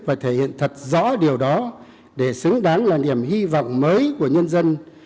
và thể hiện thật rõ điều đó để xứng đáng là niềm hy vọng mới của nhân dân